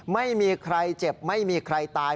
ไม่มีใครเจ็บไม่มีใครตาย